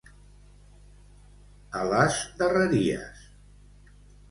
A les darreries.